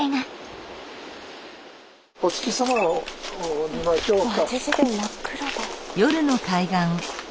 お月様を見ましょうか。